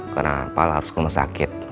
karena pak al harus ke rumah sakit